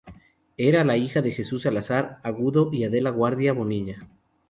Era hija de Jesús Salazar Aguado y Adela Guardia Bonilla.